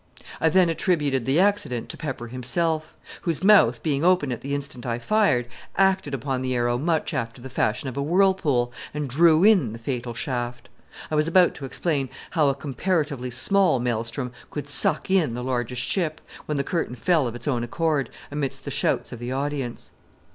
I then attributed the accident to Pepper himself, whose mouth, being open at the instant I fired, acted upon the arrow much after the fashion of a whirlpool, and drew in the fatal shaft. I was about to explain how a comparatively small maelstrom could suck in the largest ship, when the curtain fell of its own accord, amid the shouts of the audience.